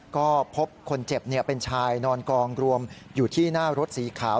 ก็พบคนเจ็บเป็นชายนอนกองรวมอยู่ที่หน้ารถสีขาว